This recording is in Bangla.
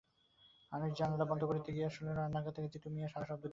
আনিস জানালা বন্ধ করতে গিয়ে শুনল, রান্নাঘর থেকে জিতু মিয়া সাড়াশব্দ দিচ্ছে।